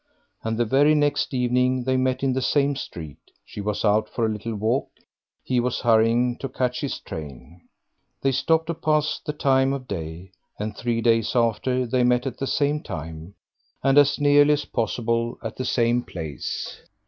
And the very next evening they met in the same street; she was out for a little walk, he was hurrying to catch his train. They stopped to pass the time of day, and three days after they met at the same time, and as nearly as possible at the same place.